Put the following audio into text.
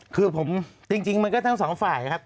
คือผมจริงมันก็ทั้งสองฝ่ายครับ